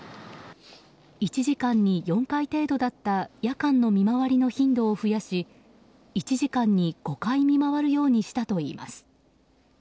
１時間に４回程度だった夜間の見回りの頻度を増やし１時間に５回見回るようにしたといいます。